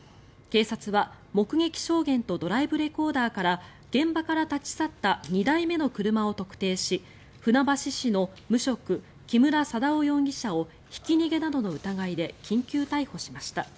警察は、目撃証言とドライブレコーダーから現場から立ち去った２台目の車を特定し船橋市の無職木村貞夫容疑者をひき逃げなどの疑いで緊急逮捕しました。